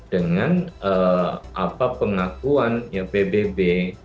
dengan apa pengakuan pbb